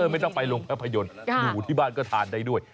ไม่ต้องไปลงภาพยนตร์อยู่ที่บ้านก็ทานได้ด้วย